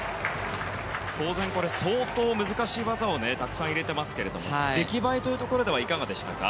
当然、相当難しい技をたくさん入れていますけど出来栄えはいかがでしたか？